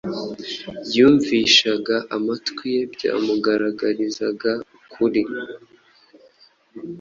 yumvishaga amatwi ye byamugaragarizaga ukuri